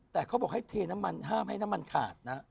แต่เขาบอกให้เทน้ำมันห้ามให้น้ำมันขาดนะ